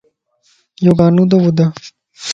يوڳانوتو ٻڌ